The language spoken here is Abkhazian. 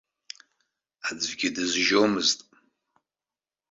Аӡәгьы дызжьомызт.